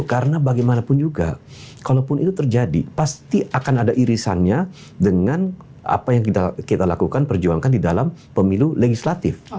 karena bagaimanapun juga kalaupun itu terjadi pasti akan ada irisannya dengan apa yang kita lakukan perjuangkan di dalam pemilu legislatif